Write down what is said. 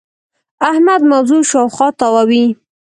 احمد موضوع شااوخوا تاووې.